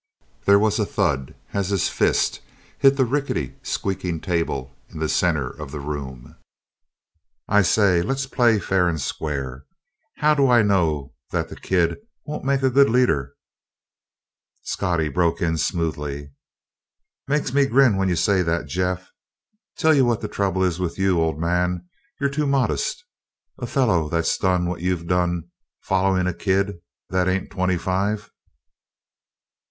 There was a thud as his fist hit the rickety, squeaking table in the center of the room. "I say, let's play fair and square. How do I know that the kid won't make a good leader?" Scottie broke in smoothly: "Makes me grin when you say that, Jeff. Tell you what the trouble is with you, old man: you're too modest. A fellow that's done what you've done, following a kid that ain't twenty five!"